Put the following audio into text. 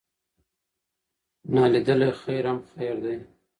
نا لیدلی خیر هم خیر دی.